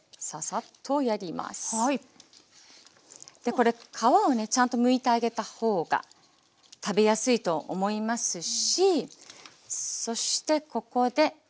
これ皮をねちゃんとむいてあげたほうが食べやすいと思いますしそしてここで。